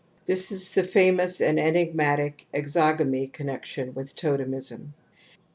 This is the famous and enigmatic exogamy connexion with totemism.